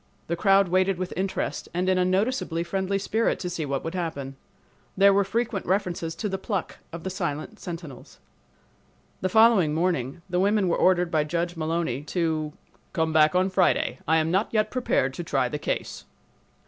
The crowd waited with interest and in a noticeably friendly spirit to see what would happen. There were frequent references to the pluck of the silent sentinels." The following morning the women were ordered by Judge Mullowny to "come back on Friday. I am not yet prepared to try the case."